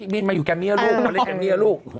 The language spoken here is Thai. มีทมาอยู่กับเมียลูกมาเลยกับเมียลูก